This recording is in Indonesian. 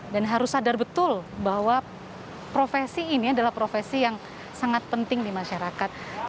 dan harus sadar betul bahwa profesi ini adalah profesi yang sangat penting di masyarakat